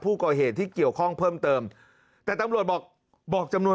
ผู้ก่อเหตุที่เกี่ยวข้องเพิ่มเติมแต่ตำรวจบอกบอกจำนวน